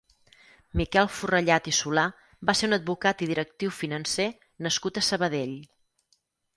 Miquel Forrellad i Solà va ser un advocat i directiu financer nascut a Sabadell.